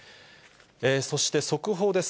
そして、速報です。